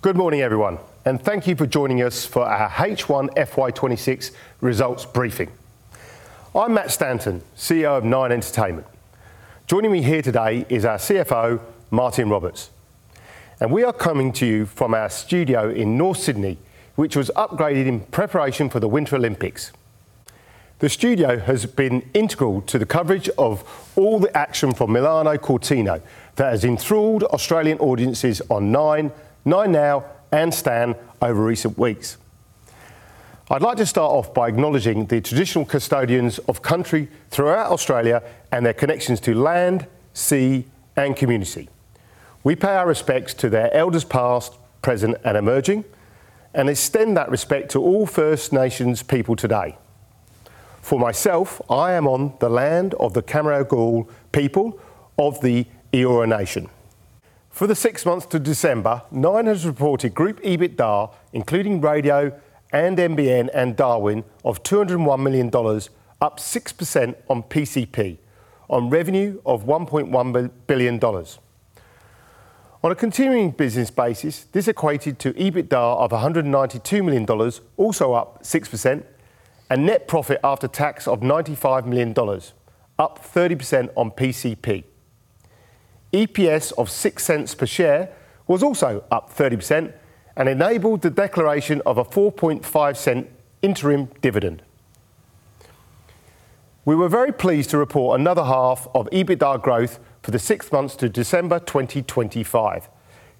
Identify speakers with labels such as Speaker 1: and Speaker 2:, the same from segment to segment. Speaker 1: Good morning, everyone. Thank you for joining us for our H1 FY26 Results Briefing. I'm Matt Stanton, CEO of Nine Entertainment. Joining me here today is our CFO, Martyn Roberts, and we are coming to you from our studio in North Sydney, which was upgraded in preparation for the Winter Olympics. The studio has been integral to the coverage of all the action from Milano Cortina that has enthralled Australian audiences on Nine, 9Now, and Stan over recent weeks. I'd like to start off by acknowledging the traditional custodians of country throughout Australia and their connections to land, sea, and community. We pay our respects to their elders past, present, and emerging, and extend that respect to all First Nations people today. For myself, I am on the land of the Cammeraygal people of the Eora Nation. For the six months to December, Nine has reported group EBITDA, including Radio and NBN and Darwin, of 201 million dollars, up 6% on PCP, on revenue of 1.1 billion dollars. On a continuing business basis, this equated to EBITDA of 192 million dollars, also up 6%, and net profit after tax of 95 million dollars, up 30% on PCP. EPS of 0.06 per share was also up 30% and enabled the declaration of a 0.045 interim dividend. We were very pleased to report another half of EBITDA growth for the six months to December 2025,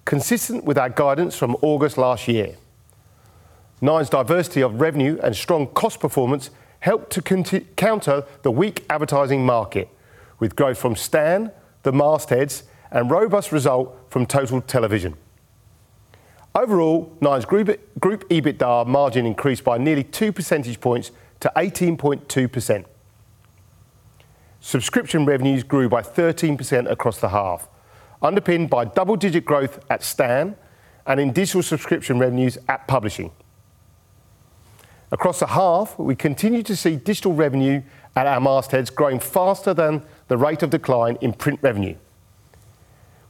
Speaker 1: consistent with our guidance from August last year. Nine's diversity of revenue and strong cost performance helped to counter the weak advertising market, with growth from Stan, the mastheads, and robust results from total television. Overall, Nine's group EBITDA margin increased by nearly two percentage points to 18.2%. Subscription revenues grew by 13% across the half, underpinned by double-digit growth at Stan and in digital subscription revenues at publishing. Across the half, we continued to see digital revenue at our mastheads growing faster than the rate of decline in print revenue.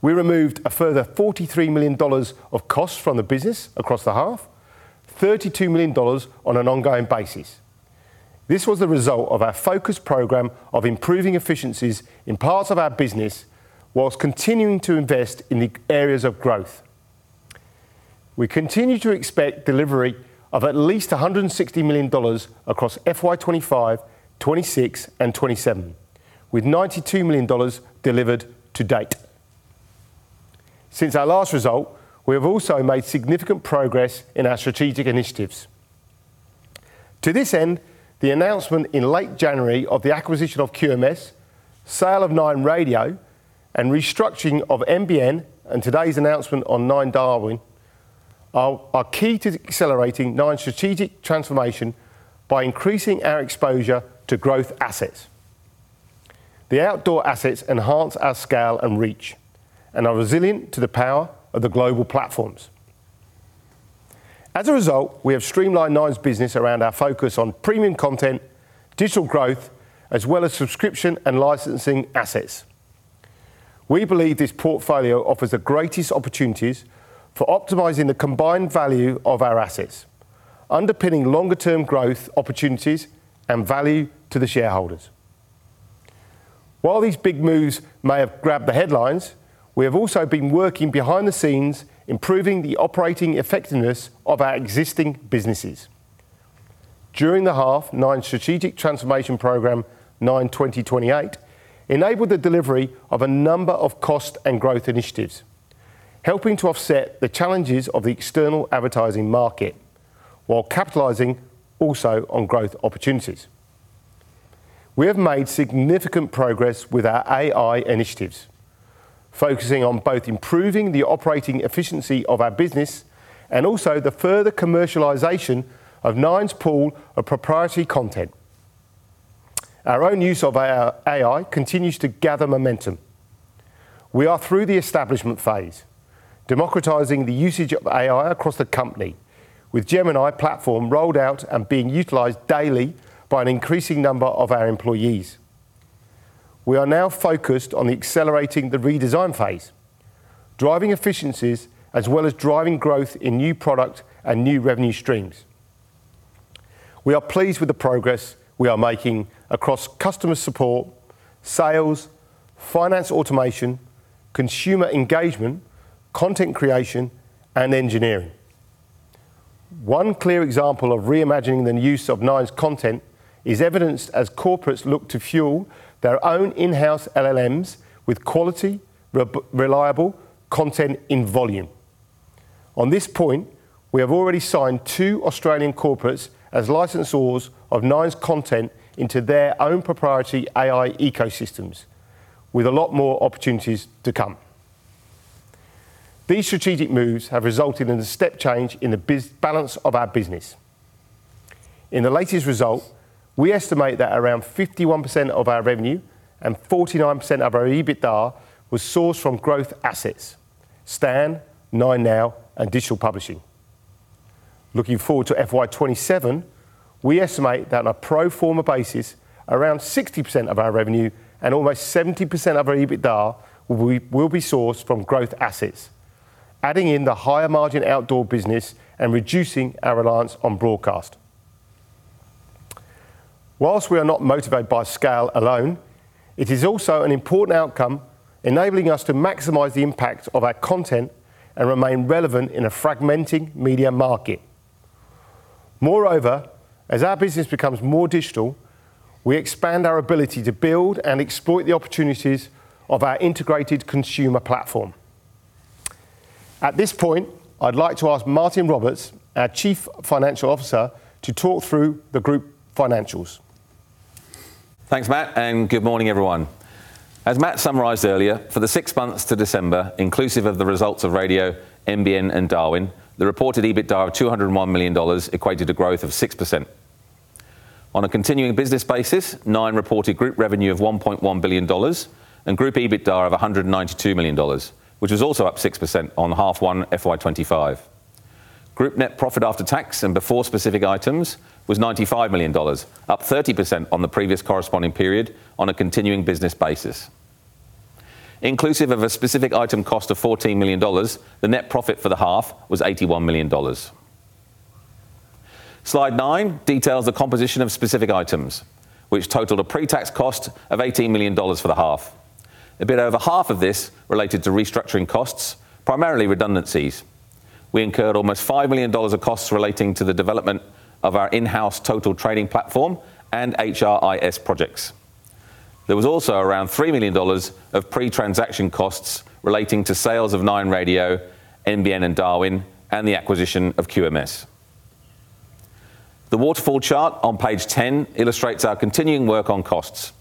Speaker 1: We removed a further 43 million dollars of costs from the business across the half, 32 million dollars on an ongoing basis. This was the result of our focused program of improving efficiencies in parts of our business whilst continuing to invest in the areas of growth. We continue to expect delivery of at least 160 million dollars across FY25, FY26, and FY27, with 92 million dollars delivered to date. Since our last result, we have also made significant progress in our strategic initiatives. To this end, the announcement in late January of the acquisition of QMS, the the sale of Nine Radio, and restructuring of NBN, and today's announcement on Nine Darwin, are key to accelerating Nine's strategic transformation by increasing our exposure to growth assets. The outdoor assets enhance our scale and reach and are resilient to the power of the global platforms. We have streamlined Nine's business around our focus on premium content, digital growth, as well as subscription and licensing assets. We believe this portfolio offers the greatest opportunities for optimizing the combined value of our assets, underpinning longer-term growth opportunities and value to the shareholders. These big moves may have grabbed the headlines, we have also been working behind the scenes, improving the operating effectiveness of our existing businesses. During the half, Nine's strategic transformation program, Nine 2028, enabled the delivery of a number of cost and growth initiatives, helping to offset the challenges of the external advertising market while capitalizing also on growth opportunities. We have made significant progress with our AI initiatives, focusing on both improving the operating efficiency of our business and also the further commercialization of Nine's pool of proprietary content. Our own use of our AI continues to gather momentum. We are through the establishment phase, democratizing the usage of AI across the company, with Gemini platform rolled out and being utilized daily by an increasing number of our employees. We are now focused on accelerating the redesign phase, driving efficiencies as well as driving growth in new product and new revenue streams. We are pleased with the progress we are making across customer support, sales, finance automation, consumer engagement, content creation, and engineering. One clear example of reimagining the use of Nine's content is evidenced as corporates look to fuel their own in-house LLMs with quality, reliable content in volume. This point, we have already signed two Australian corporates as licensors of Nine's content into their own proprietary AI ecosystems, with a lot more opportunities to come. These strategic moves have resulted in a step change in the balance of our business. In the latest result, we estimate that around 51% of our revenue and 49% of our EBITDA was sourced from growth assets: Stan, 9Now, and Digital Publishing. Looking forward to FY27, we estimate that on a pro forma basis, around 60% of our revenue and almost 70% of our EBITDA will be sourced from growth assets, adding in the higher margin outdoor business and reducing our reliance on broadcast. Whilst we are not motivated by scale alone, it is also an important outcome, enabling us to maximize the impact of our content and remain relevant in a fragmenting media market. Moreover, as our business becomes more digital, we expand our ability to build and exploit the opportunities of our integrated consumer platform. At this point, I'd like to ask Martyn Roberts, our Chief Financial Officer, to talk through the group financials.
Speaker 2: Thanks, Matt. Good morning, everyone. As Matt summarized earlier, for the 6 months to December, inclusive of the results of Nine Radio, NBN, and Nine Darwin, the reported EBITDA of 201 million dollars equated a growth of 6%. On a continuing business basis, Nine reported group revenue of 1.1 billion dollars and group EBITDA of 192 million dollars, which is also up 6% on half 1 FY25. Group net profit after tax and before specific items was 95 million dollars, up 30% on the previous corresponding period on a continuing business basis. Inclusive of a specific item cost of 14 million dollars, the net profit for the half was 81 million dollars. Slide nine details the composition of specific items, which totaled a pre-tax cost of 18 million dollars for the half. A bit over half of this related to restructuring costs, primarily redundancies. We incurred almost 5 million dollars of costs relating to the development of our in-house total trading platform and HRIS projects. There was also around 3 million dollars of pre-transaction costs relating to sales of Nine Radio, NBN, and Nine Darwin, and the acquisition of QMS. The waterfall chart on page 10 illustrates our continuing work on costs.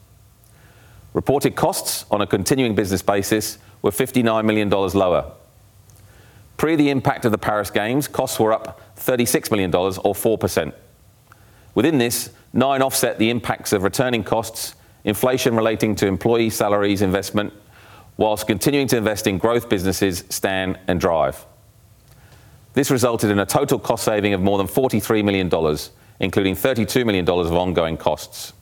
Speaker 2: Reported costs on a continuing business basis were 59 million dollars lower. Pre the impact of the Paris Games, costs were up 36 million dollars or 4%. Within this, Nine offset the impacts of returning costs, inflation relating to employee salaries, and investment, whilst continuing to invest in growth businesses, Stan and Drive. This resulted in a total cost saving of more than 43 million dollars, including 32 million dollars of ongoing costs.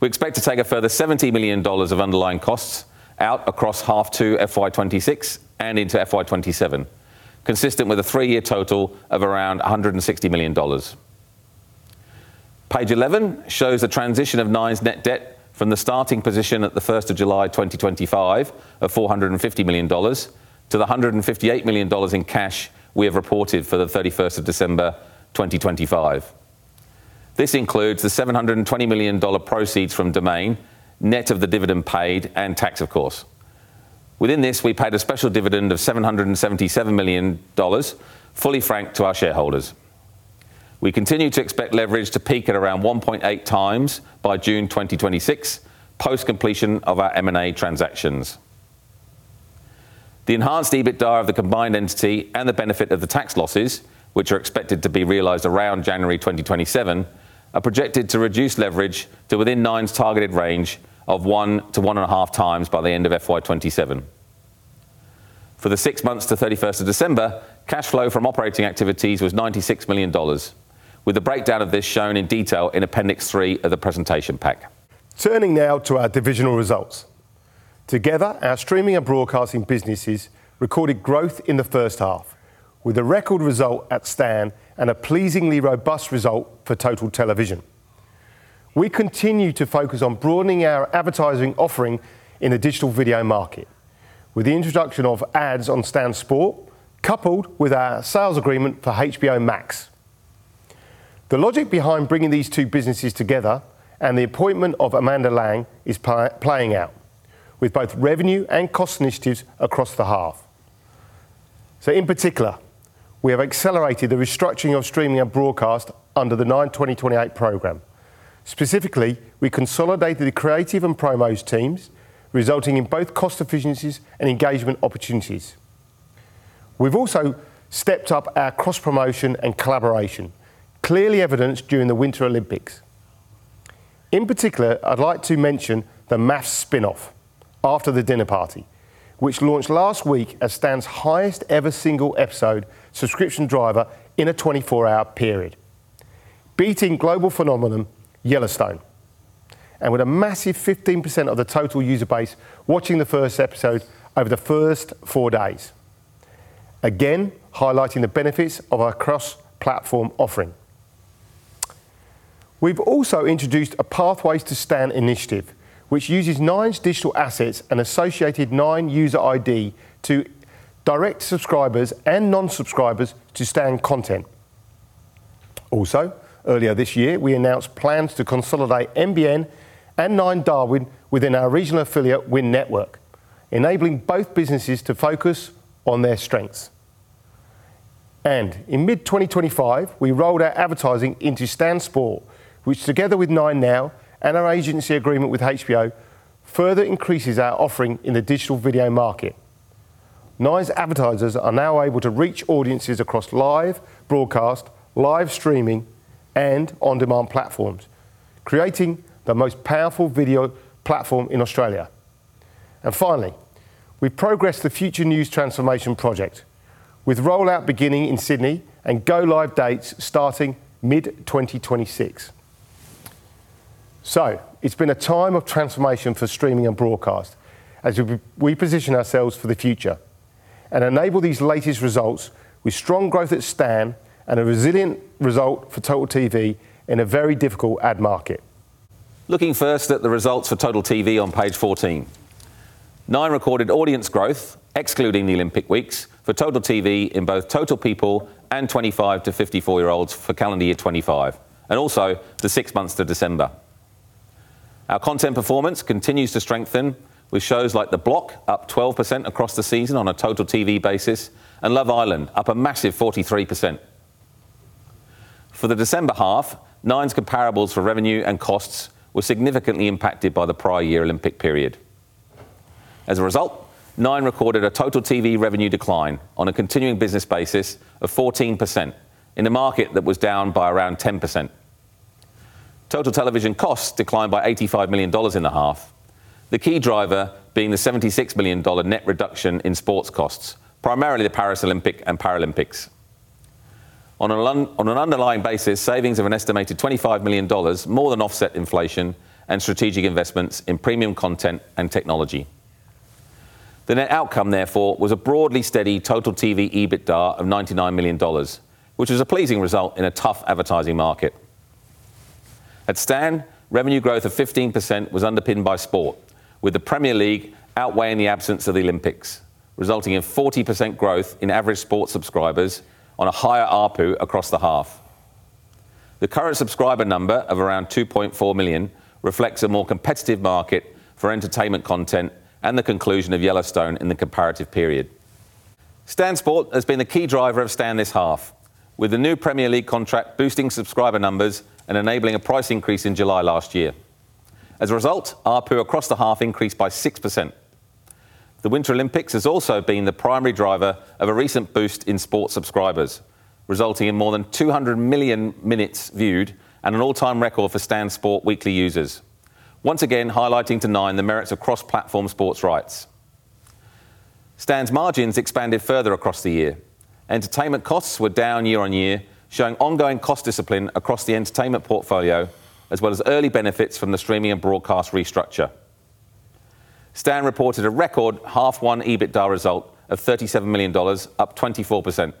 Speaker 2: We expect to take a further 70 million dollars of underlying costs out across half to FY26 and into FY27, consistent with a three-year total of around 160 million dollars. Page 11 shows the transition of Nine's net debt from the starting position at the 1st of July 2025, of 450 million dollars to the 158 million dollars in cash we have reported for the 31st of December 2025. This includes the 720 million dollar proceeds from Domain, net of the dividend paid, and tax, of course. Within this, we paid a special dividend of 777 million dollars, fully franked to our shareholders. We continue to expect leverage to peak at around 1.8x by June 2026, post-completion of our M&A transactions. The enhanced EBITDA of the combined entity and the benefit of the tax losses, which are expected to be realized around January 2027, are projected to reduce leverage to within Nine's targeted range of 1x-1.5x by the end of FY27. For the six months to 31st of December, cash flow from operating activities was 96 million dollars, with a breakdown of this shown in detail in appendix three of the presentation pack.
Speaker 1: Turning now to our divisional results. Together, our streaming and broadcasting businesses recorded growth in the first half, with a record result at Stan and a pleasingly robust result for total television. We continue to focus on broadening our advertising offering in the digital video market, with the introduction of ads on Stan Sport, coupled with our sales agreement for HBO Max. The logic behind bringing these two businesses together and the appointment of Amanda Laing is playing out, with both revenue and cost initiatives across the half. In particular, we have accelerated the restructuring of streaming and broadcast under the Nine 2028 program. Specifically, we consolidated the creative and promos teams, resulting in both cost efficiencies and engagement opportunities. We've also stepped up our cross-promotion and collaboration, clearly evidenced during the Winter Olympics. In particular, I'd like to mention the MAFS spin-off After The Dinner Party, which launched last week as Stan's highest-ever single-episode subscription driver in a 24-hour period, beating global phenomenon Yellowstone, and with a massive 15% of the total user base watching the first episode over the first four days. Highlighting the benefits of our cross-platform offering. We've also introduced a Pathways to Stan initiative, which uses Nine's digital assets and associated Nine user ID to direct subscribers and non-subscribers to Stan content. Earlier this year, we announced plans to consolidate NBN and Nine Darwin within our regional affiliate, WIN Network, enabling both businesses to focus on their strengths. In mid-2025, we rolled out advertising into Stan Sport, which, together with 9Now and our agency agreement with HBO, further increases our offering in the digital video market. Nine's advertisers are now able to reach audiences across live broadcast, live streaming, and on-demand platforms, creating the most powerful video platform in Australia. Finally, we've progressed the future news transformation project, with rollout beginning in Sydney and go-live dates starting mid-2026. It's been a time of transformation for streaming and broadcast as we position ourselves for the future, and enable these latest results with strong growth at Stan and a resilient result for Total TV in a very difficult ad market.
Speaker 2: Looking first at the results for Total TV on page 14. Nine recorded audience growth, excluding the Olympic weeks, for Total TV in both total people and 25-54-year-olds for calendar year 2025, and also the 6 months to December. Our content performance continues to strengthen, with shows like The Block up 12% across the season on a Total TV basis, and Love Island up a massive 43%. For the December half, Nine's comparables for revenue and costs were significantly impacted by the prior year Olympic period. As a result, Nine recorded a Total TV revenue decline on a continuing business basis of 14% in a market that was down by around 10%. Total television costs declined by 85 million dollars in the half, the key driver being the 76 million dollar net reduction in sports costs, primarily the Paris Olympic and Paralympics. On an underlying basis, savings of an estimated 25 million dollars more than offset inflation and strategic investments in premium content and technology. The net outcome, therefore, was a broadly steady Total TV EBITDA of 99 million dollars, which is a pleasing result in a tough advertising market. At Stan, revenue growth of 15% was underpinned by sport, with the Premier League outweighing the absence of the Olympics, resulting in 40% growth in average sport subscribers on a higher ARPU across the half. The current subscriber number of around 2.4 million reflects a more competitive market for entertainment content and the conclusion of Yellowstone in the comparative period. Stan Sport has been the key driver of Stan this half, with the new Premier League contract boosting subscriber numbers and enabling a price increase in July last year. As a result, ARPU across the half increased by 6%. The Winter Olympics has also been the primary driver of a recent boost in Stan Sport subscribers, resulting in more than 200 million minutes viewed and an all-time record for Stan Sport weekly users. Once again, highlighting to Nine the merits of cross-platform sports rights. Stan's margins expanded further across the year. Entertainment costs were down year-on-year, showing ongoing cost discipline across the entertainment portfolio, as well as early benefits from the streaming and broadcast restructure. Stan reported a record half one EBITDA result of 37 million dollars, up 24%.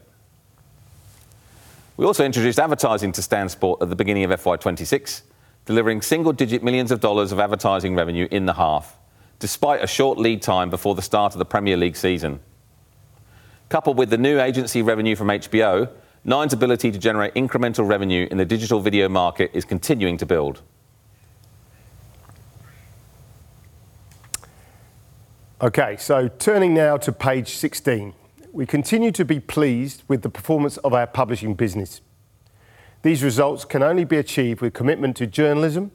Speaker 2: We also introduced advertising to Stan Sport at the beginning of FY26, delivering single-digit millions of dollars of advertising revenue in the half, despite a short lead time before the start of the Premier League season. Coupled with the new agency revenue from HBO, Nine's ability to generate incremental revenue in the digital video market is continuing to build.
Speaker 1: Okay, turning now to page 16. We continue to be pleased with the performance of our publishing business. These results can only be achieved with commitment to journalism,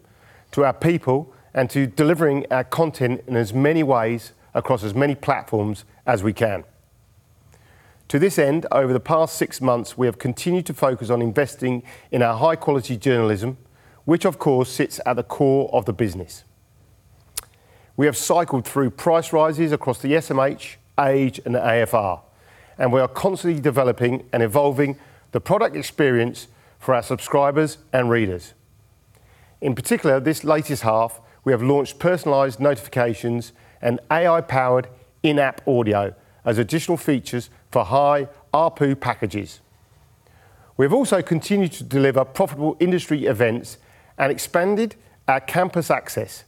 Speaker 1: to our people, and to delivering our content in as many ways across as many platforms as we can. To this end, over the past 6 months, we have continued to focus on investing in our high-quality journalism, which of course, sits at the core of the business. We have cycled through price rises across the SMH, The Age, and the AFR, and we are constantly developing and evolving the product experience for our subscribers and readers. In particular, this latest half, we have launched personalized notifications and AI-powered in-app audio as additional features for high ARPU packages. We've also continued to deliver profitable industry events and expanded our campus access,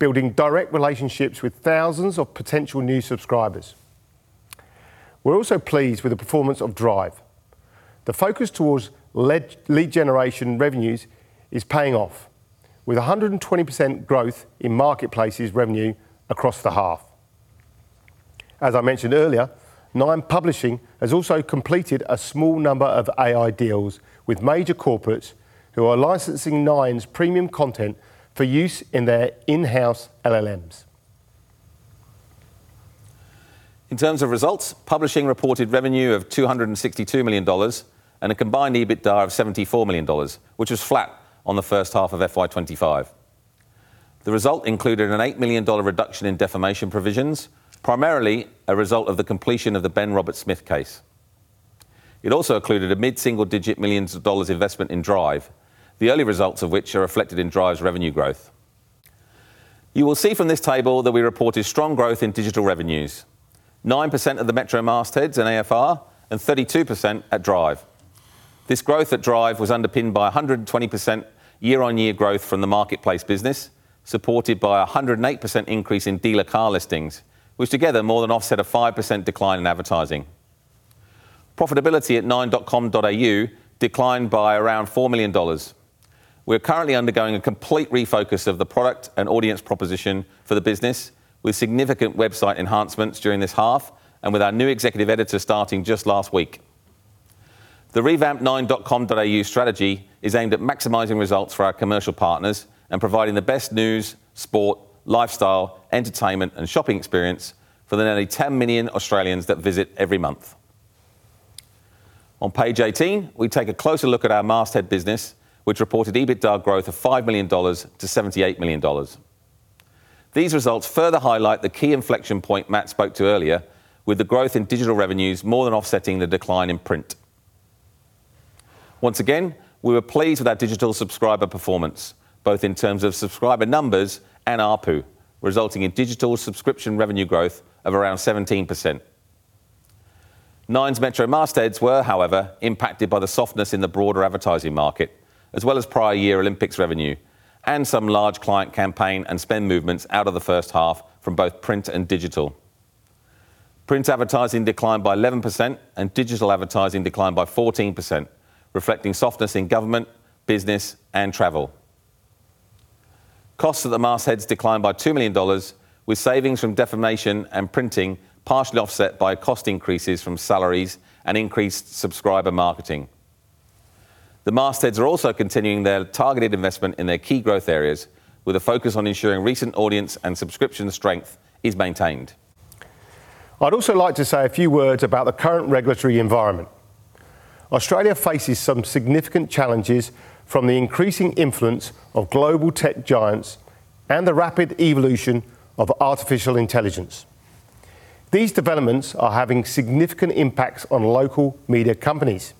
Speaker 1: building direct relationships with thousands of potential new subscribers. We're also pleased with the performance of Drive. The focus towards lead generation revenues is paying off, with 120% growth in marketplaces revenue across the half. As I mentioned earlier, Nine Publishing has also completed a small number of AI deals with major corporates who are licensing Nine's premium content for use in their in-house LLMs.
Speaker 2: In terms of results, Publishing reported revenue of 262 million dollars and a combined EBITDA of 74 million dollars, which was flat on the first half of FY25. The result included an 8 million dollar reduction in defamation provisions, primarily a result of the completion of the Ben Roberts-Smith case. It also included a mid-single-digit millions of AUD investment in Drive, the early results of which are reflected in Drive's revenue growth. You will see from this table that we reported strong growth in digital revenues, 9% of the Metro mastheads and AFR, and 32% at Drive. This growth at Drive was underpinned by 120% year-on-year growth from the marketplace business, supported by 108% increase in dealer car listings, which together more than offset a 5% decline in advertising. Profitability at nine.com.au declined by around 4 million dollars. We're currently undergoing a complete refocus of the product and audience proposition for the business, with significant website enhancements during this half and with our new executive editor starting just last week. The revamped nine.com.au strategy is aimed at maximizing results for our commercial partners and providing the best news, sport, lifestyle, entertainment, and shopping experience for the nearly 10 million Australians that visit every month. On page 18, we take a closer look at our masthead business, which reported EBITDA growth of 5 million dollars to 78 million dollars. These results further highlight the key inflection point Matt spoke to earlier, with the growth in digital revenues more than offsetting the decline in print. Once again, we were pleased with our digital subscriber performance, both in terms of subscriber numbers and ARPU, resulting in digital subscription revenue growth of around 17%. Nine's Metro mastheads were, however, impacted by the softness in the broader advertising market, as well as prior year Olympics revenue and some large client campaign and spend movements out of the first half from both print and digital. Print advertising declined by 11%, and digital advertising declined by 14%, reflecting softness in government, business and travel. Costs of the mastheads declined by 2 million dollars, with savings from defamation and printing partially offset by cost increases from salaries and increased subscriber marketing. The mastheads are also continuing their targeted investment in their key growth areas, with a focus on ensuring recent audience and subscription strength is maintained.
Speaker 1: I'd also like to say a few words about the current regulatory environment. Australia faces some significant challenges from the increasing influence of global tech giants and the rapid evolution of artificial intelligence. These developments are having significant impacts on local media companies.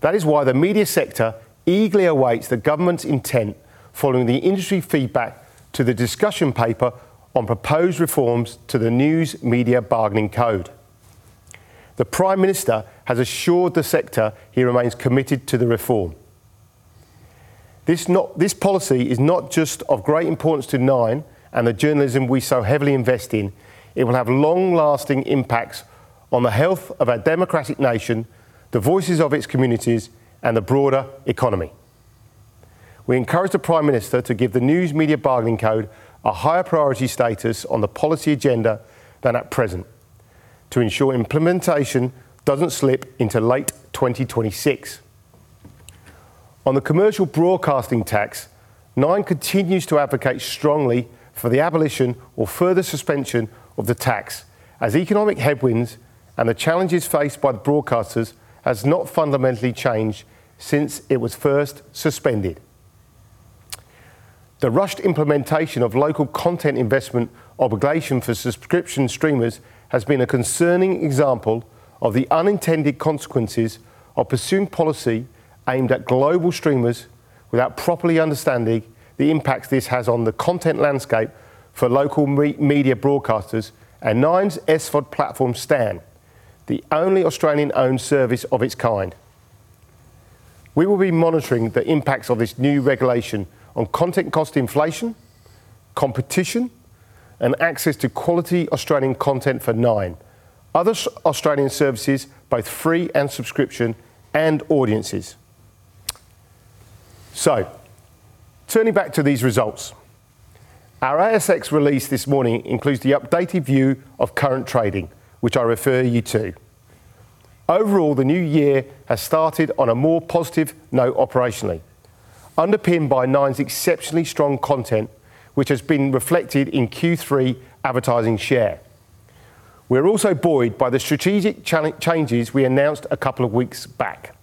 Speaker 1: That is why the media sector eagerly awaits the government's intent following the industry feedback to the discussion paper on proposed reforms to the News Media Bargaining Code. The Prime Minister has assured the sector he remains committed to the reform. This policy is not just of great importance to Nine and the journalism we so heavily invest in, it will have long-lasting impacts on the health of our democratic nation, the voices of its communities and the broader economy. We encourage the Prime Minister to give the News Media Bargaining Code a higher priority status on the policy agenda than at present, to ensure implementation doesn't slip into late 2026. On the commercial broadcasting tax, Nine continues to advocate strongly for the abolition or further suspension of the tax, as economic headwinds and the challenges faced by broadcasters has not fundamentally changed since it was first suspended. The rushed implementation of local content investment obligation for subscription streamers has been a concerning example of the unintended consequences of pursuing policy aimed at global streamers without properly understanding the impact this has on the content landscape for local media broadcasters and Nine's SVOD platform Stan, the only Australian-owned service of its kind. We will be monitoring the impacts of this new regulation on content cost inflation, competition and access to quality Australian content for Nine, other Australian services, both free and subscription, and audiences. Turning back to these results, our ASX release this morning includes the updated view of current trading, which I refer you to. Overall, the new year has started on a more positive note operationally, underpinned by Nine's exceptionally strong content, which has been reflected in Q3 advertising share. We're also buoyed by the strategic changes we announced a couple of weeks back.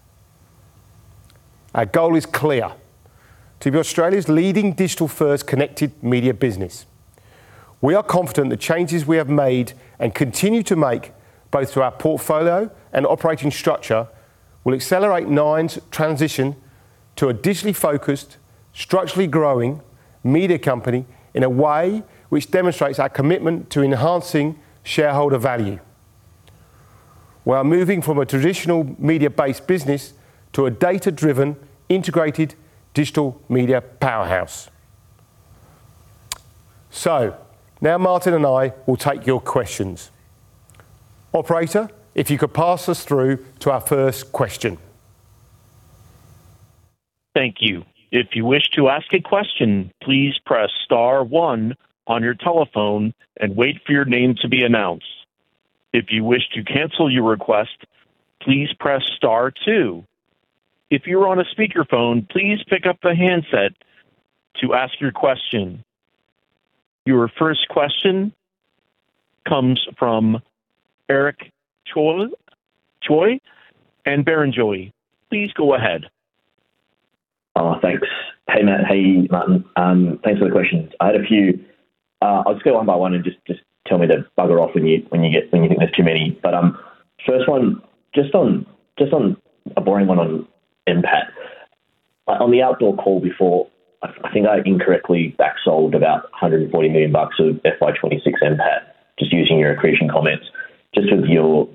Speaker 1: Our goal is clear: to be Australia's leading digital-first connected media business. We are confident the changes we have made and continue to make, both to our portfolio and operating structure, will accelerate Nine's transition to a digitally focused, structurally growing media company in a way which demonstrates our commitment to enhancing shareholder value. We are moving from a traditional media-based business to a data-driven, integrated digital media powerhouse. Now Martyn and I will take your questions. Operator, if you could pass us through to our first question.
Speaker 3: Thank you. If you wish to ask a question, please press star one on your telephone and wait for your name to be announced. If you wish to cancel your request, please press star two. If you're on a speakerphone, please pick up the handset to ask your question. Your first question comes from Eric Choi and Barrenjoey. Please go ahead.
Speaker 4: Thanks. Hey, Matt. Hey, Martyn. Thanks for the questions. I had a few. I'll just go one by one, and just tell me to bugger off when you get, when you think there's too many. First one, just on a boring one on NPAT. On the outdoor call before, I think I incorrectly backsolved about 140 million bucks of FY26 NPAT, just using your accretion comments. Just with your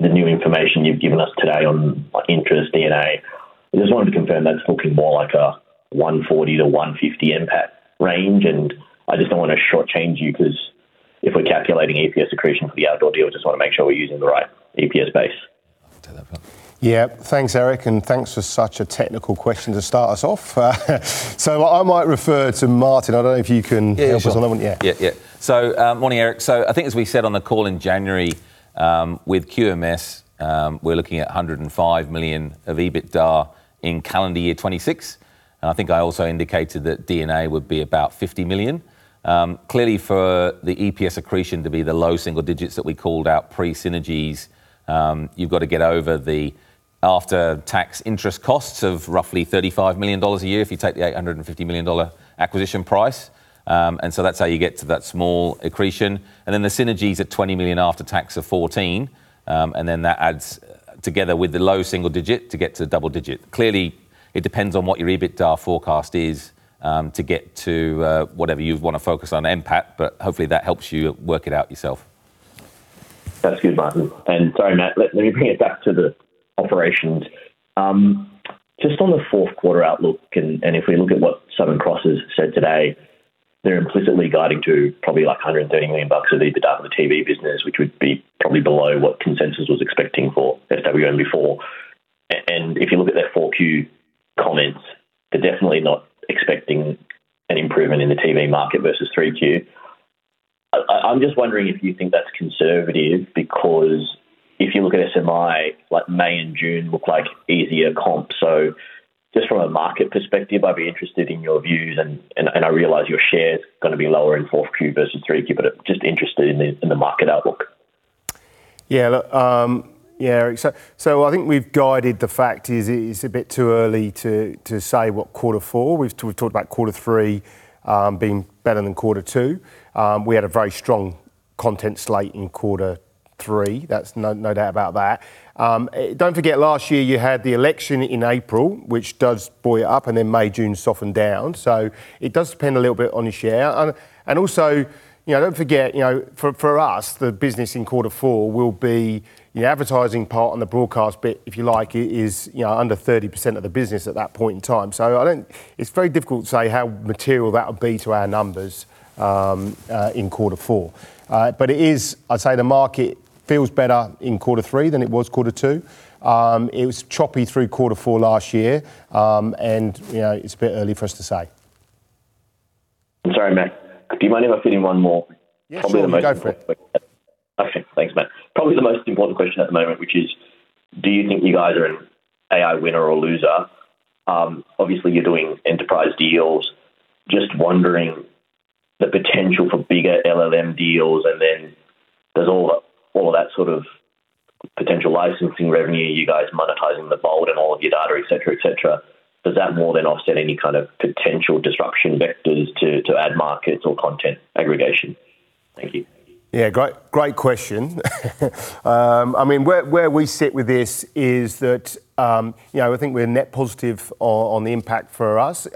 Speaker 4: the new information you've given us today on interest D&A, I just wanted to confirm that it's looking more like a 140 million to 150 million NPAT range, and I just don't want to shortchange you, 'cause if we're calculating EPS accretion for the outdoor deal, I just want to make sure we're using the right EPS base.
Speaker 1: Thanks, Eric, and thanks for such a technical question to start us off. I might refer to Martyn. I don't know if you can help us on that one. Yeah.
Speaker 2: Yeah, yeah. Morning, Eric Choi. I think as we said on the call in January, with QMS, we're looking at 105 million of EBITDA in calendar year 2026, and I think I also indicated that D&A would be about 50 million. Clearly, for the EPS accretion to be the low single digits that we called out pre-synergies, you've got to get over the after-tax interest costs of roughly 35 million dollars a year if you take the 850 million dollar acquisition price. That's how you get to that small accretion. Then the synergies at 20 million after tax of 14, and that adds together with the low single digit to get to double digit. Clearly, it depends on what your EBITDA forecast is, to get to, whatever you want to focus on, NPAT, but hopefully, that helps you work it out yourself.
Speaker 4: That's good, Martyn. Sorry, Matt, let me bring it back to the operations. Just on the fourth quarter outlook, if we look at what Southern Cross has said today, they're implicitly guiding to probably, like, 130 million bucks of EBITDA for the TV business, which would be probably below what consensus was expecting for SWM before. If you look at their 4Q comments, they're definitely not expecting an improvement in the TV market versus 3Q. I'm just wondering if you think that's conservative, because if you look at SMI, like May and June look like easier comp. Just from a market perspective, I'd be interested in your views and I realize your share is gonna be lower in 4Q versus 3Q, but I'm just interested in the market outlook.
Speaker 1: Eric, I think we've guided the fact is a bit too early to say what quarter four. We've talked about quarter three being better than quarter two. We had a very strong content slate in quarter three. That's no doubt about that. Don't forget, last year, you had the election in April, which does buoy up, and then May, June softened down. It does depend a little bit on your share. Also, don't forget for us, the business in quarter four will be the advertising part and the broadcast bit, if you like, it is under 30% of the business at that point in time. I don't it's very difficult to say how material that would be to our numbers in quarter four. It is I'd say the market feels better in quarter three than it was quarter two. It was choppy through quarter four last year. It's a bit early for us to say.
Speaker 4: Sorry, Matt. Do you mind if I fit in one more?
Speaker 1: Yes, sure. Go for it.
Speaker 4: Okay, thanks, Matt. Probably the most important question at the moment, which is: Do you think you guys are an AI winner or loser? Obviously, you're doing enterprise deals. Just wondering the potential for bigger LLM deals, and then there's all of that sort of potential licensing revenue, you guys monetizing the bold and all of your data, et cetera, et cetera. Does that more than offset any kind of potential disruption vectors to ad markets or content aggregation? Thank you.
Speaker 1: Great question. Where we sit with this is that we're net positive on the impact for us.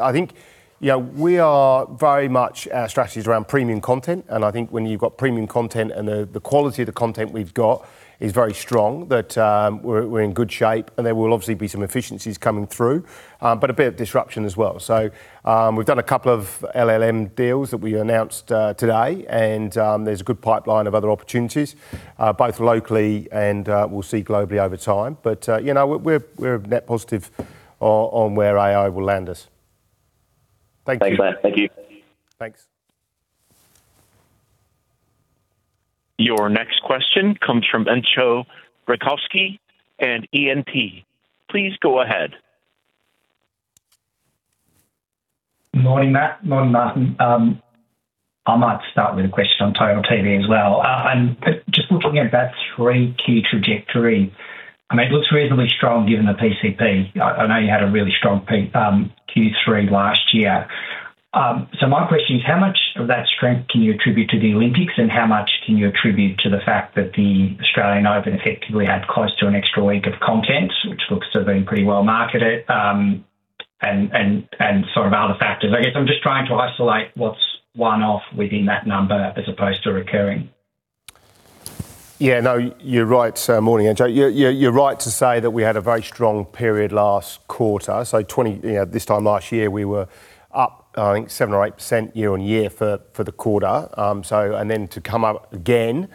Speaker 1: We are very much focused on premium content, and I think when you've got premium content and the quality of the content we've got is very strong, that we're in good shape, and there will obviously be some efficiencies coming through, but a bit of disruption as well. We've done a couple of LLM deals that we announced today, and there's a good pipeline of other opportunities both locally and we'll see globally over time. We're net positive on where AI will land us. Thank you.
Speaker 4: Thanks, Matt. Thank you.
Speaker 1: Thanks.
Speaker 3: Your next question comes from Entcho Raykovski and E&P. Please go ahead.
Speaker 5: Morning, Matt. Morning, Martyn Roberts. I might start with a question on Total TV as well. Just looking at that 3-key trajectory, I mean, it looks reasonably strong given the PCP. I know you had a really strong peak, Q3 last year. So my question is, how much of that strength can you attribute to the Olympics, and how much can you attribute to the fact that the Australian Open effectively had close to an extra week of content, which looks to have been pretty well marketed, and sort of other factors? I guess I'm just trying to isolate what's one-off within that number as opposed to recurring.
Speaker 1: You're right. Morning, Entcho. You're right to say that we had a very strong period last quarter. This time last year, we were up 7% or 8% year-on-year for the quarter. To come up again.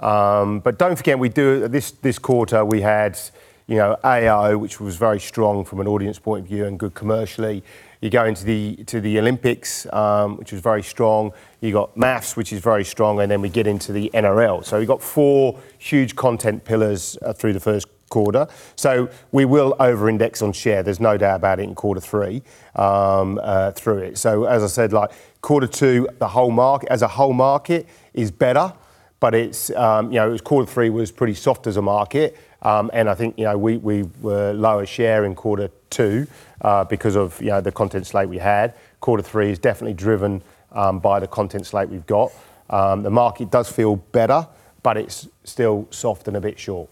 Speaker 1: Don't forget, this quarter, we had AI, which was very strong from an audience point of view and good commercially. You go into the Olympics, which was very strong. You got MAFS, which is very strong, and then we get into the NRL. We got four huge content pillars through the first quarter. We will over-index on share, there's no doubt about it, in quarter three, through it. As I said quarter two, the whole market, as a whole market, is better, but it's quarter three was pretty soft as a market. I think we were lower share in quarter two, because of the content slate we had. Quarter three is definitely driven by the content slate we've got. The market does feel better, but it's still soft and a bit short.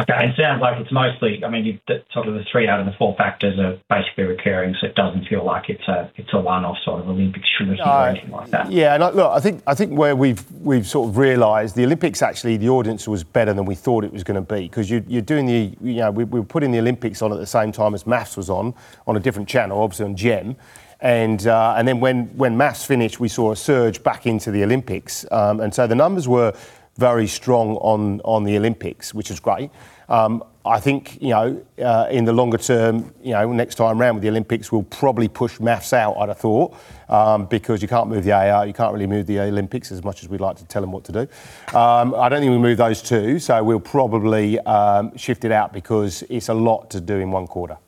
Speaker 5: Okay. It sounds like it's mostly the three out of the four factors are basically recurring, so it doesn't feel like it's a, it's a one-off Olympic trinity or anything like that.
Speaker 1: I think where we've realized the Olympics, actually, the audience was better than we thought it was gonna be. We're putting the Olympics on at the same time as MAFS was on a different channel, obviously, on 9Gem. Then when MAFS finished, we saw a surge back into the Olympics. So the numbers were very strong on the Olympics, which is great. In the longer term next time around with the Olympics, we'll probably push MAFS out, I'd have thought, because you can't move the AI, you can't really move the Olympics as much as we'd like to tell them what to do. I don't think we'll move those two, so we'll probably shift it out because it's a lot to do in one quarter.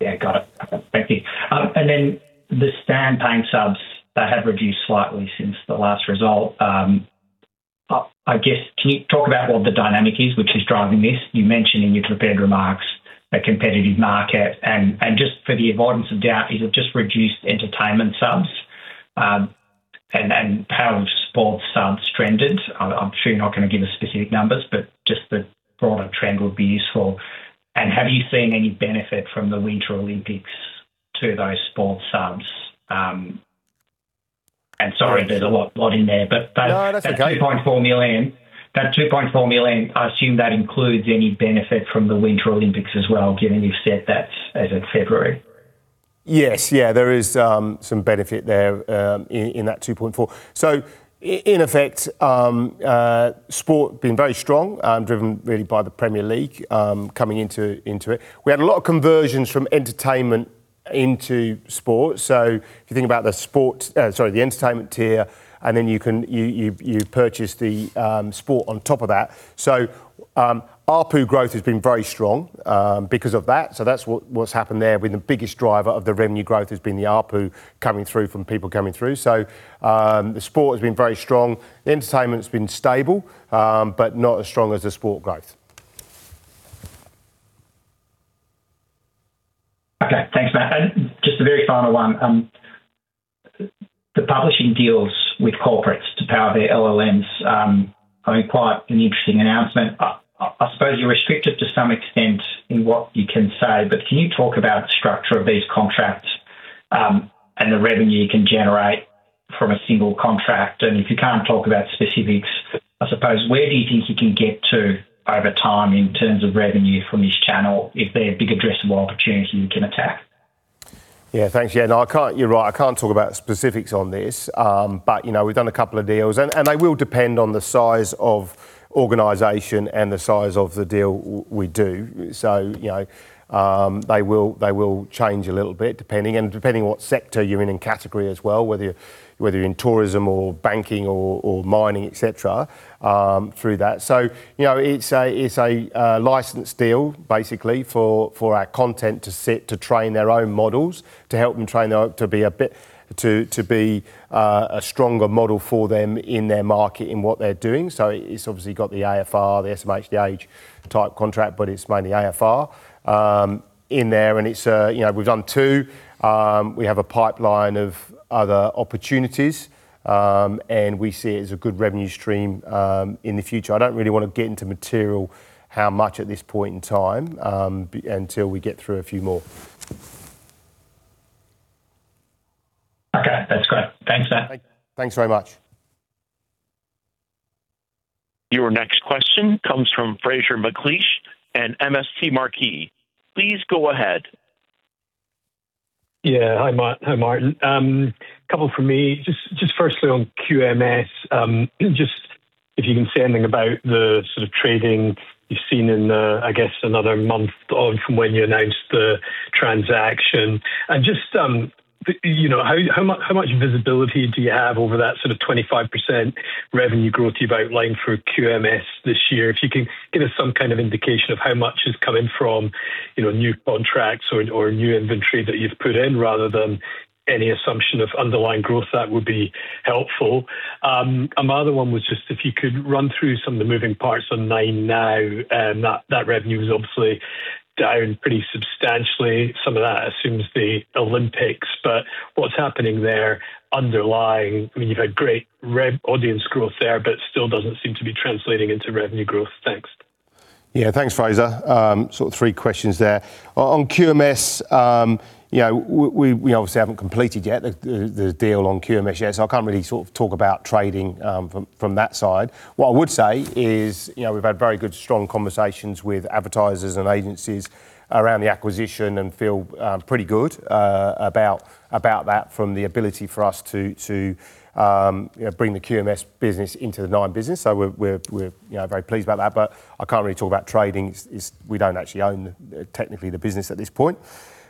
Speaker 5: Yeah, got it. Thank you. The Stan paying subs, they have reduced slightly since the last result. Can you talk about what the dynamic is, which is driving this? You mentioned in your prepared remarks a competitive market, just for the avoidance of doubt, is it just reduced entertainment subs, how have sports subs trended? I'm sure you're not gonna give us specific numbers, just the broader trend would be useful. Have you seen any benefit from the Winter Olympics to those sports subs? Sorry, there's a lot in there.
Speaker 1: No, that's okay.
Speaker 5: That 2.4 million, I assume that includes any benefit from the Winter Olympics as well, given you've set that as in February?
Speaker 1: Yes. Yeah, there is some benefit there in that 2.4 million. In effect, sport being very strong, driven really by the Premier League coming into it. We had a lot of conversions from entertainment into sport, so if you think about the entertainment tier, and then you purchase the sport on top of that. ARPU growth has been very strong because of that, so that's what's happened there. The biggest driver of the revenue growth has been the ARPU coming through from people coming through. The sport has been very strong. Entertainment's been stable, but not as strong as the sport growth.
Speaker 5: Okay. Thanks, Matt. Just a very final one, the publishing deals with corporates to power their LLMs, I mean, quite an interesting announcement. I suppose you're restricted to some extent in what you can say, but can you talk about the structure of these contracts, and the revenue you can generate from a single contract? If you can't talk about specifics, I suppose, where do you think you can get to over time in terms of revenue from this channel, if there are big addressable opportunities you can attack?
Speaker 1: Thanks. No, I can't. You're right. I can't talk about specifics on this. We've done a couple of deals, and they will depend on the size of organization and the size of the deal we do. They will, they will change a little bit, depending, and depending on what sector you're in and category as well, whether you're, whether you're in tourism or banking or mining, et cetera, through that. It's a licensed deal basically for our content to sit, to train their own models, to help them train up to be a stronger model for them in their market, in what they're doing. It's obviously got the AFR, the SMH, the Age-type contract, but it's mainly AFR in there, and it's, you know, we've done two. We have a pipeline of other opportunities, and we see it as a good revenue stream in the future. I don't really want to get into material, how much at this point in time, until we get through a few more.
Speaker 5: Okay, that's great. Thanks, Matt.
Speaker 1: Thanks very much.
Speaker 3: Your next question comes from Fraser McLeish in MST Marquee. Please go ahead.
Speaker 6: Yeah. Hi, Martyn. A couple from me. Just firstly on QMS, just if you can say anything about the sort of trading you've seen in the, I guess, another month on from when you announced the transaction, and just, you know, how much visibility do you have over that sort of 25% revenue growth you've outlined for QMS this year? If you can give us some kind of indication of how much is coming from, you know, new contracts or new inventory that you've put in, rather than any assumption of underlying growth, that would be helpful. My other one was just if you could run through some of the moving parts on 9Now, that revenue is obviously down pretty substantially. Some of that assumes the Olympics, but what's happening there underlying? I mean, you've had great audience growth there, but it still doesn't seem to be translating into revenue growth. Thanks.
Speaker 1: Thanks, Fraser. Three questions there. On QMS, you know, we obviously haven't completed yet the deal on QMS yet, I can't really sort of talk about trading from that side. What I would say is, you know, we've had very good, strong conversations with advertisers and agencies around the acquisition and feel pretty good about that from the ability for us to, you know, bring the QMS business into the Nine business. We're, you know, very pleased about that, I can't really talk about trading is we don't actually own, technically, the business at this point.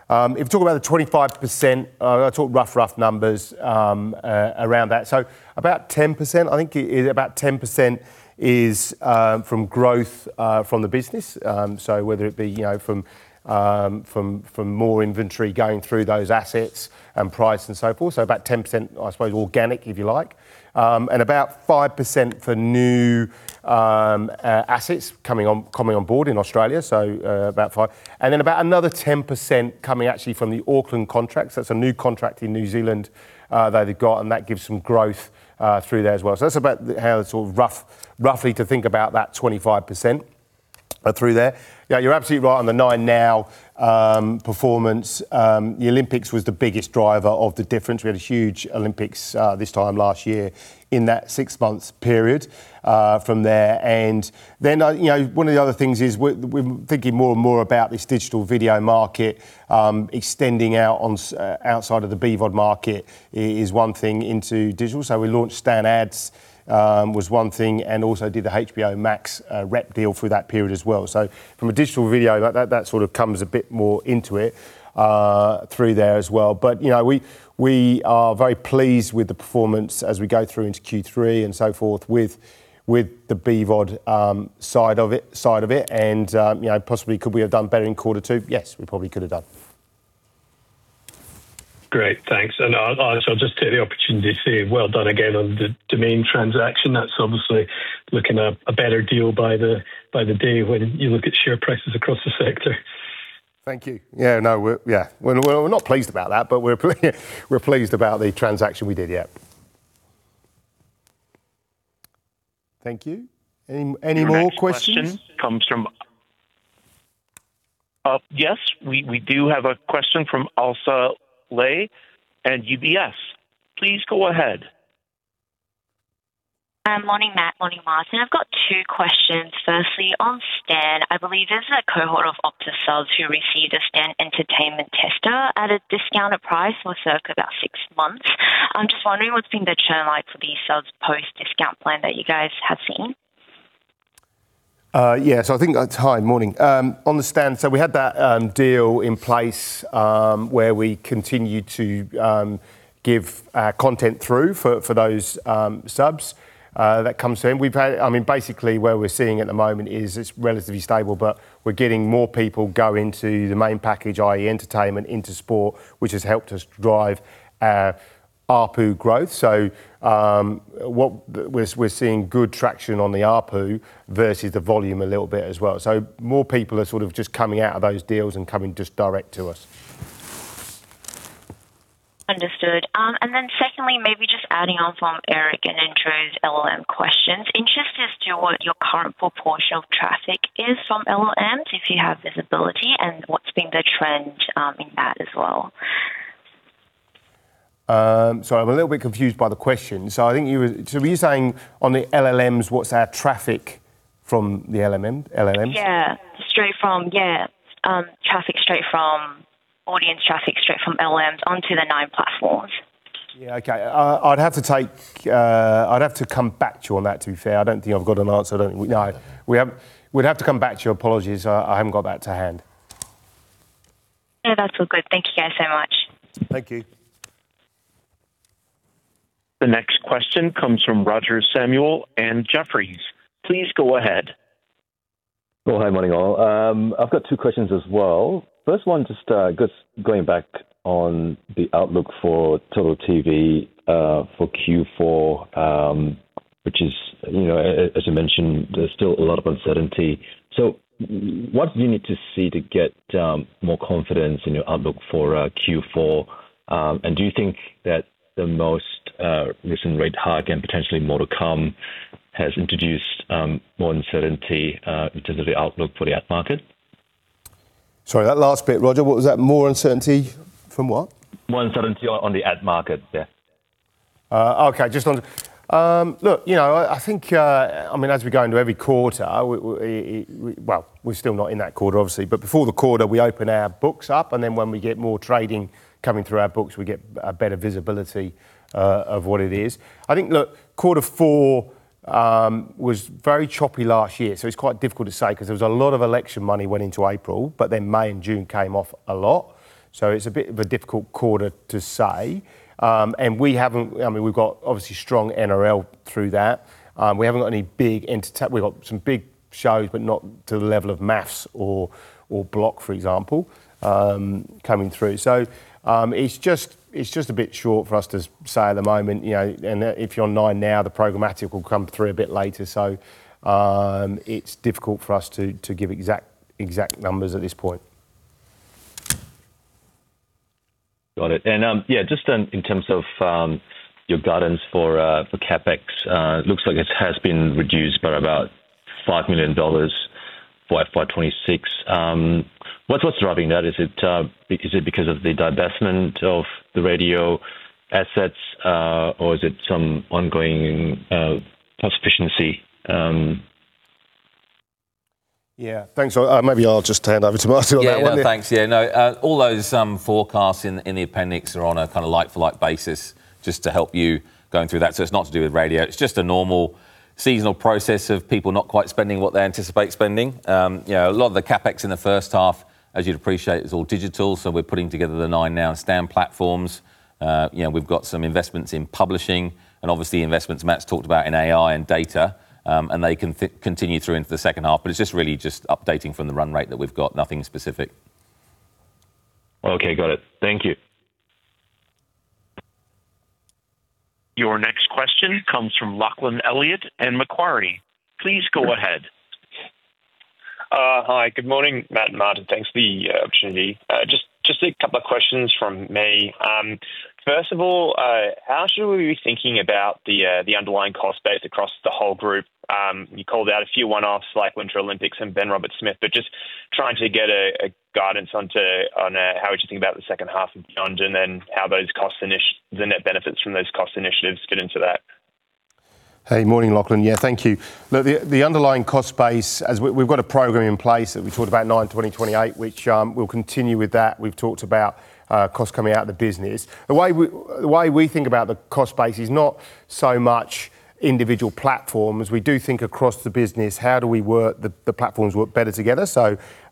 Speaker 1: If you talk about the 25%, I talk rough numbers around that. About 10%, I think it is about 10% is from growth from the business. Whether it be, you know, from more inventory going through those assets and price and so forth, about 10%, I suppose, organic, if you like. About 5% for new assets coming on board in Australia, about five. About another 10% coming actually from the Auckland contracts. That's a new contract in New Zealand that they've got, and that gives some growth through there as well. That's about how the sort of roughly to think about that 25% through there. Yeah, you're absolutely right on the 9Now performance. The Olympics was the biggest driver of the difference. We had a huge Olympics this time last year in that six months period from there. You know, one of the other things is we're thinking more and more about this digital video market, extending out on outside of the BVOD market is one thing into digital. We launched Stan Ads was one thing, and also did the HBO Max rep deal through that period as well. From a digital video, that sort of comes a bit more into it through there as well. We are very pleased with the performance as we go through into Q3 and so forth, with the BVOD side of it, and possibly could we have done better in quarter two? We probably could have done.
Speaker 6: Great, thanks. I'll just take the opportunity to say well done again on the Domain transaction. That's obviously looking a better deal by the day when you look at share prices across the sector.
Speaker 1: Thank you. No, well, we're not pleased about that, but we're pleased about the transaction we did. Thank you. Any more questions?
Speaker 3: Your next question comes from. Yes, we do have a question from Ailsa Lei in UBS. Please go ahead.
Speaker 7: Morning, Matt. Morning, Martin. I've got two questions. Firstly, on Stan, I believe there's a cohort of Optus subs who received a Stan Entertainment tester at a discounted price for circa about six months. I'm just wondering what the churn has been like for these subs post-discount plan that you guys have seen?
Speaker 1: I think that's. Hi. Morning. On the Stan, we had that deal in place where we continued to give content through for those subs that comes in. Basically, where we're seeing at the moment is it's relatively stable, but we're getting more people go into the main package, i.e., entertainment into sport, which has helped us drive our ARPU growth. We're seeing good traction on the ARPU versus the volume a little bit as well. More people are sort of just coming out of those deals and coming just direct to us.
Speaker 7: Understood. Secondly, maybe just adding on from Eric and Andrew's LLM questions. Interested as to what your current proportion of traffic is from LLMs, if you have visibility, and what's been the trend in that as well?
Speaker 1: Sorry, I'm a little bit confused by the question. Were you saying on the LLMs, what's our traffic from the LLMs?
Speaker 7: Yeah. Audience traffic straight from LLMs onto the Nine platforms.
Speaker 1: Yeah, okay. I'd have to come back to you on that, to be fair. I don't think I've got an answer. No, we'd have to come back to you. Apologies. I haven't got that to hand.
Speaker 7: That's all good. Thank you guys so much.
Speaker 1: Thank you.
Speaker 3: The next question comes from Roger Samuel in Jefferies. Please go ahead.
Speaker 8: Hi. Morning, all. I've got two questions as well. First one, just going back on the outlook for Total TV for Q4, which is as you mentioned, there's still a lot of uncertainty. What do you need to see to get more confidence in your outlook for Q4? Do you think that the most recent rate hike and potentially more to come, has introduced more uncertainty into the outlook for the ad market?
Speaker 1: Sorry, that last bit, Roger. What was that? More uncertainty from what?
Speaker 8: More uncertainty on the ad market. Yeah.
Speaker 1: Okay. As we go into every quarter, well, we're still not in that quarter, obviously, but before the quarter, we open our books up, and then when we get more trading coming through our books, we get a better visibility of what it is. I think, look, quarter four was very choppy last year, so it's quite difficult to say 'cause there was a lot of election money went into April, but then May and June came off a lot. It's a bit of a difficult quarter to say. We haven't, I mean, we've got obviously strong NRL through that. We haven't got any big shows, but not to the level of MAFS or Block, for example, coming through. It's just a bit short for us to say at the moment and if you're 9Now the programmatic will come through a bit later. It's difficult for us to give exact numbers at this point.
Speaker 8: Got it. Yeah, just in terms of your guidance for CapEx, it looks like it has been reduced by about 5 million dollars for FY26. What's driving that? Is it because of the divestment of the radio assets, or is it some ongoing cost efficiency?
Speaker 1: Yeah. Thanks. Maybe I'll just hand over to Martyn on that one.
Speaker 2: Well, thanks. All those forecasts in the appendix are on a kind of like-for-like basis, just to help you going through that. It's not to do with radio. It's just a normal seasonal process of people not quite spending what they anticipate spending. A lot of the CapEx in the first half, as you'd appreciate, is all digital. We're putting together the 9Now Stan platforms. We've got some investments in publishing and obviously investments Matt's talked about in AI and data, and they continue through into the second half, but it's just really just updating from the run rate that we've got. Nothing specific.
Speaker 8: Okay, got it. Thank you.
Speaker 3: Your next question comes from Lachlan Elliott in Macquarie. Please go ahead.
Speaker 9: Hi. Good morning, Matt and Martyn. Thanks for the opportunity. Just a couple of questions from me. First of all, how should we be thinking about the underlying cost base across the whole group? You called out a few one-offs, like Winter Olympics and Ben Roberts-Smith, but just trying to get a guidance onto, on, how we should think about the second half of the year, and then how those costs the net benefits from those cost initiatives fit into that.
Speaker 1: Hey, morning, Lachlan. Yeah, thank you. The underlying cost base, as we've got a program in place that we talked about Nine 2028, which we'll continue with that. We've talked about costs coming out of the business. The way we think about the cost base is not so much individual platforms. We do think across the business, how do we work the platforms work better together?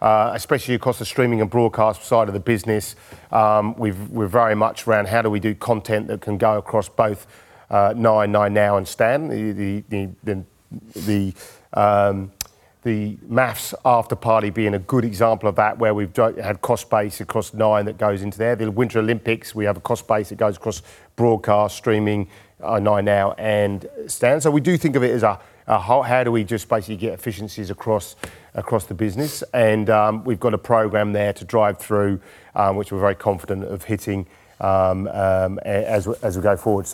Speaker 1: Especially across the streaming and broadcast side of the business, we're very much around how do we do content that can go across both Nine, 9Now, and Stan. The MAFS: After The Dinner Party being a good example of that, where we've had cost base across Nine that goes into there. The Winter Olympics, we have a cost base that goes across broadcast, streaming, 9Now, and Stan. We do think of it as a how do we just basically get efficiencies across the business? We've got a program there to drive through which we're very confident of hitting as we go forward.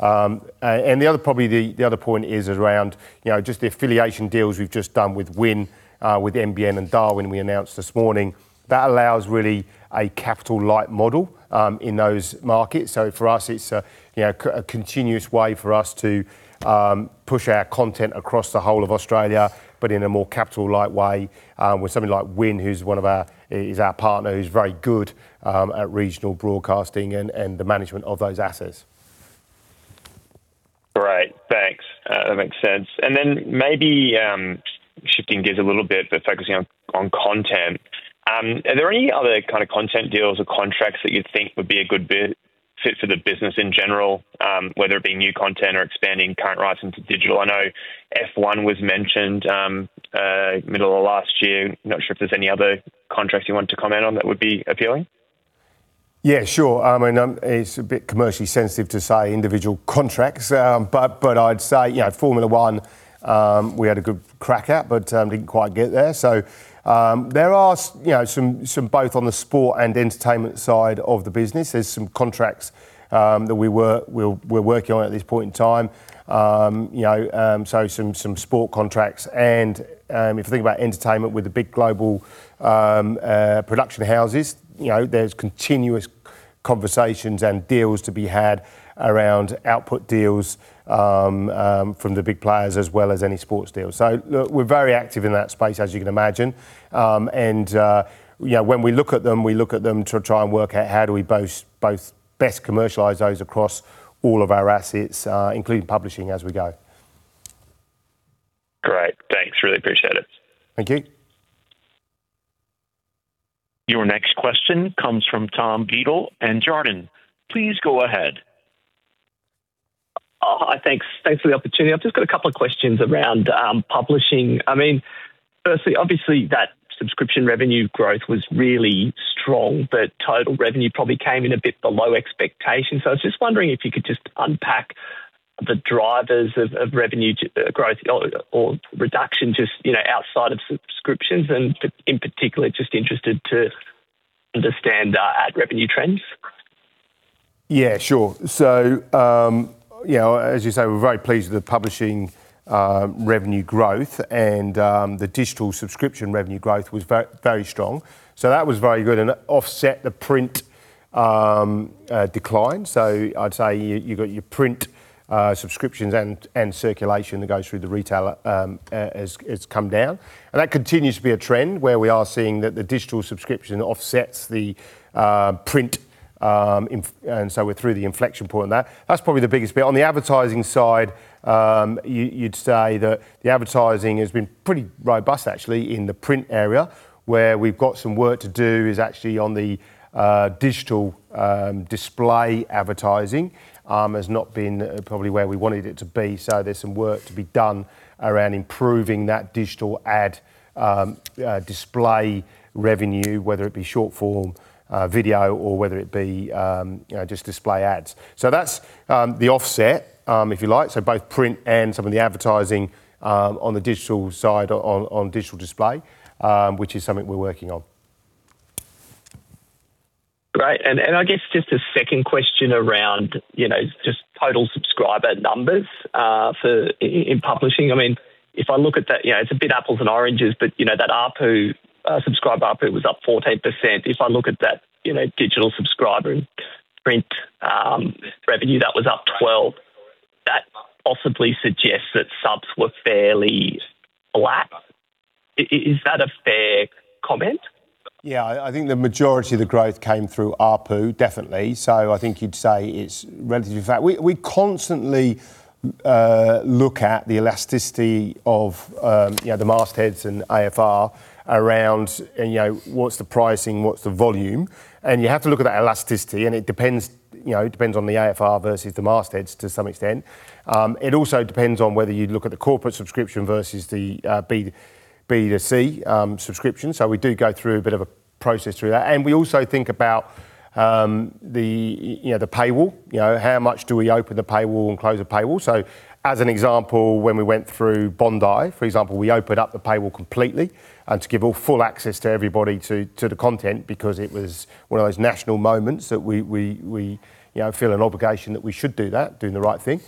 Speaker 1: The other point is around just the affiliation deals we've just done with WIN, with NBN, and Darwin we announced this morning. That allows really a capital-light model in those markets. For us, it's a continuous way for us to push our content across the whole of Australia, but in a more capital light way, with somebody like WIN, who's one of our partners, who's very good at regional broadcasting and the management of those assets.
Speaker 9: Great, thanks. That makes sense. Maybe, shifting gears a little bit, but focusing on content, are there any other kind of content deals or contracts that you think would be a good fit for the business in general, whether it be new content or expanding current rights into digital? I know F1 was mentioned, middle of last year. Not sure if there's any other contracts you want to comment on that would be appealing.
Speaker 1: It's a bit commercially sensitive to say individual contracts, but I'd say Formula 1, we had a good crack at, but didn't quite get there. There are some both on the sport and entertainment side of the business, there's some contracts that we're working on at this point in time. You know, some sport contracts and, if you think about entertainment with the big global production houses there's continuous conversations and deals to be had around output deals from the big players as well as any sports deals. Look, we're very active in that space, as you can imagine. When we look at them, we look at them to try and work out how do we both best commercialize those across all of our assets, including publishing as we go.
Speaker 9: Great, thanks. Really appreciate it.
Speaker 1: Thank you.
Speaker 3: Your next question comes from Thomas Beadle and Jarden. Please go ahead.
Speaker 10: Oh, hi. Thanks. Thanks for the opportunity. I've just got a couple of questions around publishing. I mean, firstly, obviously, that subscription revenue growth was really strong, but total revenue probably came in a bit below expectations. I was just wondering if you could just unpack the drivers of revenue growth or reduction, just, you know, outside of subscriptions, in particular, just interested to understand ad revenue trends?
Speaker 1: Yeah, sure. You know, as you say, we're very pleased with the publishing revenue growth and the digital subscription revenue growth was very strong. That was very good and it offset the print decline. I'd say you got your print subscriptions and circulation that goes through the retailer, it's come down, and that continues to be a trend where we are seeing that the digital subscription offsets the print, and so we're through the inflection point on that. That's probably the biggest bit. On the advertising side, you'd say that the advertising has been pretty robust, actually, in the print area. Where we've got some work to do is actually on the digital display advertising has not been probably where we wanted it to be. There's some work to be done around improving that digital ad, display revenue, whether it be short-form video, or whether it be, you know, just display ads. That's the offset, if you like. Both print and some of the advertising on the digital side, on digital display, which is something we're working on.
Speaker 10: Great. I guess just a second question around, you know, just total subscriber numbers for in publishing. If I look at that, you know, it's a bit apples and oranges, but, you know, that ARPU, subscriber ARPU was up 14%. If I look at that, you know, digital subscriber and print revenue, that was up 12%, that possibly suggests that subs were fairly flat. Is that a fair comment?
Speaker 1: Yeah, I think the majority of the growth came through ARPU, definitely. I think you'd say it's relatively flat. We constantly look at the elasticity of, you know, the mastheads and AFR around, and, you know, what's the pricing, what's the volume, and you have to look at that elasticity, and it depends, you know, it depends on the AFR versus the mastheads to some extent. It also depends on whether you look at the corporate subscription versus the B2C subscription. We do go through a bit of a process through that. We also think about the, you know, the paywall. You know, how much do we open the paywall and close the paywall? As an example, when we went through Bondi, for example, we opened up the paywall completely, and to give all full access to everybody to the content, because it was one of those national moments that we, you know, feel an obligation that we should do that, doing the right thing.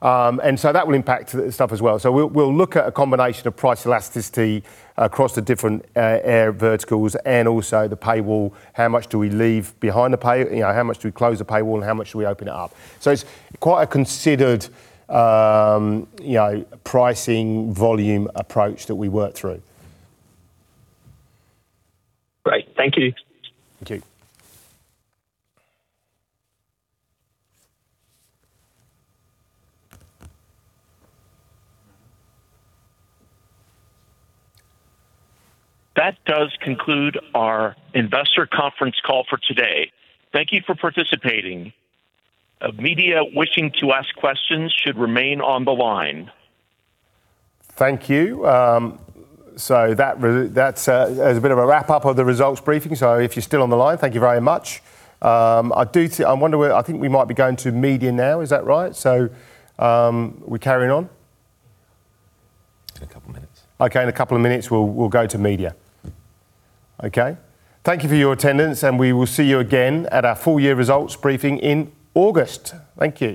Speaker 1: That will impact the stuff as well. We'll look at a combination of price elasticity across the different verticals and also the paywall. How much do we leave behind the paywall? You know, how much do we close the paywall, and how much do we open it up? It's quite a considered, you know, pricing, volume approach that we work through.
Speaker 10: Great. Thank you.
Speaker 1: Thank you.
Speaker 3: That does conclude our investor conference call for today. Thank you for participating. Media wishing to ask questions should remain on the line.
Speaker 1: Thank you. That is a bit of a wrap-up of the results briefing. If you're still on the line, thank you very much. I wonder, I think we might be going to media now. Is that right? We carrying on?
Speaker 3: In a couple of minutes.
Speaker 1: Okay, in a couple of minutes, we'll go to media. Okay. Thank you for your attendance, and we will see you again at our full-year results briefing in August. Thank you.